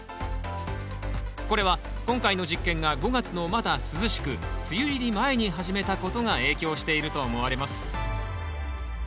これは今回の実験が５月のまだ涼しく梅雨入り前に始めたことが影響していると思われます。